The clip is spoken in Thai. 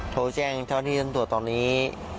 โทรแจ้งเท่าที่ท่านตรวจตอนนี้